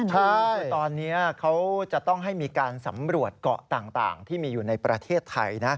ใช่คือตอนนี้เขาจะต้องให้มีการสำรวจเกาะต่างที่มีอยู่ในประเทศไทยนะ